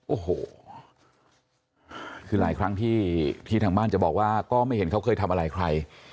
โอ้โหคือหลายครั้งที่ทางบ้านจะบอกว่าก็ไม่เห็นเขาเคยทำอะไรใคร